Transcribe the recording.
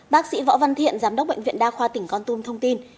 bác sĩ võ văn thiện giám đốc bệnh viện đa khoa tỉnh con tum thông tin